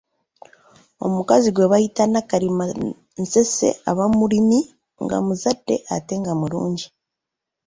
Omukazi gwe bayita Nakalima nseese aba mulimi, nga muzadde ate nga mulungi